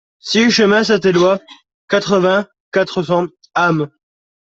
six chemin Saint-Éloi, quatre-vingts, quatre cents, Ham